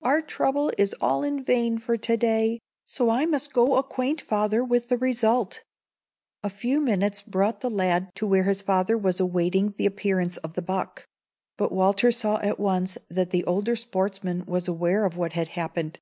"Our trouble is all in vain for to day, so I must go acquaint father with the result." A few minutes brought the lad to where his father was awaiting the appearance of the buck; but Walter saw at once that the older sportsman was aware of what had happened.